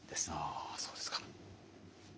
あそうですか。